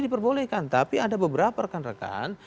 diperbolehkan tapi ada beberapa rekan rekan